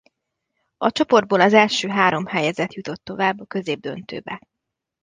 A csoportból az első három helyezett jutott tovább az középdöntőbe.